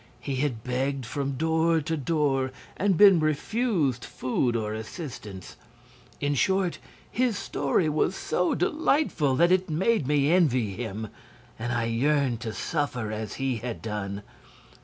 He had begged from door to door and been refused food or assistance. In short, his story was so delightful that it made me envy him, and I yearned to suffer as he had done.